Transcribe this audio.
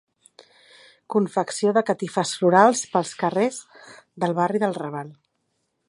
Confecció de catifes florals pels carrers del barri del Raval.